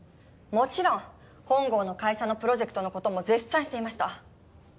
もちろん本郷の会社のプロジェクトのことも絶賛していました。